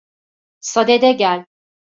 Sadede gel.